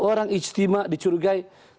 orang istimewa dicurigai